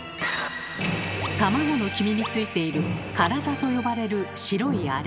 卵の黄身についている「カラザ」と呼ばれる白いアレ。